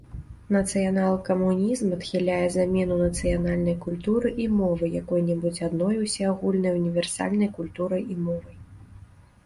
Нацыянал-камунізм адхіляе замену нацыянальнай культуры і мовы якой-небудзь адной усеагульнай універсальнай культурай і мовай.